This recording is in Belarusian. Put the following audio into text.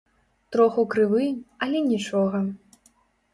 Троху крывы, але нічога.